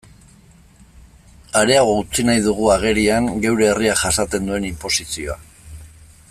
Areago utzi nahi dugu agerian geure herriak jasaten duen inposizioa.